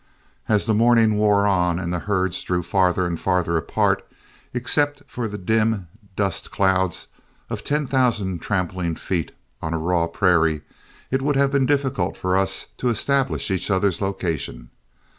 As the morning wore on and the herds drew farther and farther apart, except for the dim dust clouds of ten thousand trampling feet on a raw prairie, it would have been difficult for us to establish each other's location.